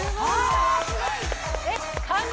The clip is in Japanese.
すごい！